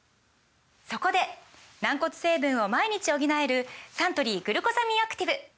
そこで軟骨成分を毎日補えるサントリー「グルコサミンアクティブ」！